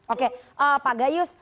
oke pak gayus